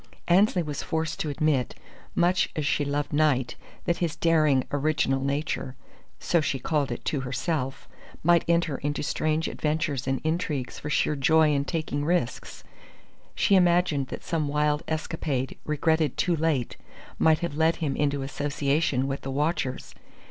Annesley was forced to admit, much as she loved Knight, that his daring, original nature (so she called it to herself) might enter into strange adventures and intrigues for sheer joy in taking risks. She imagined that some wild escapade regretted too late might have led him into association with the watchers.